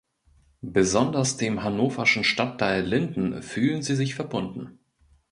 Besonders dem hannoverschen Stadtteil Linden fühlen sie sich verbunden.